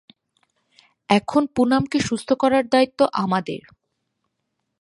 এখন পুনামকে সুস্থ করার দায়িত্ব আমাদের।